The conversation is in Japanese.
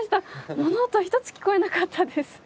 物音一つ聞こえなかったです。